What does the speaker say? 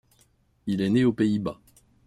Il est né aux Pays-Bas.